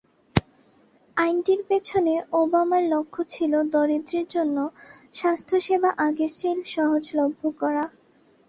আইনটির পেছনে ওবামার লক্ষ্য ছিল দরিদ্রদের জন্য স্বাস্থ্যসেবা আগের চেয়ে সহজলভ্য করা।